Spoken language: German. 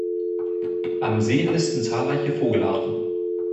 Am See nisten zahlreiche Vogelarten.